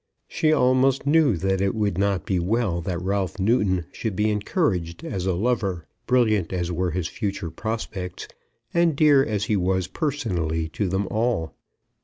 She almost knew that it would not be well that Ralph Newton should be encouraged as a lover, brilliant as were his future prospects, and dear, as he was personally to them all.